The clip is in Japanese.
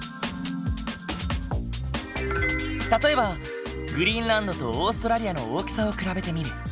例えばグリーンランドとオーストラリアの大きさを比べてみる。